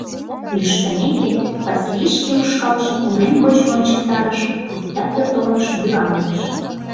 Лӱштымеке, Васлий шке ушкалжым урем гоч вончыктарыш, пуста пӧрт олмыш вӱраҥлыш.